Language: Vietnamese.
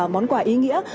món quà ý nghĩa